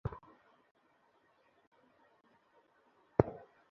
আর ছিল একটি শলাকা চুম্বক।